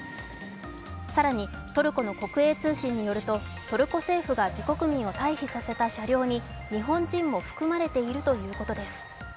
更にトルコの国営通信によると、トルコ政府が自国民を退避させた車両に日本人も含まれているということです。